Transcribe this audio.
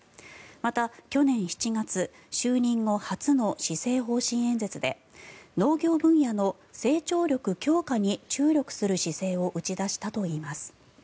また、去年７月就任後初の施政方針演説で農業分野の成長力強化に注力する姿勢を打ち出したといいます。